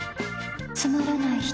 つまらない人